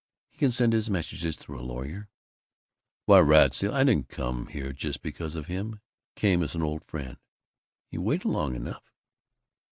"He can send his messages through a lawyer." "Why, rats, Zilla, I didn't come just because of him. Came as an old friend." "You waited long enough!"